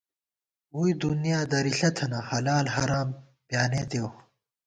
ووئی دُنیا درِݪہ تھنہ ، حلال حرام پیانېتېؤ